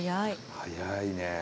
早いね。